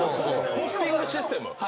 ポスティングシステム。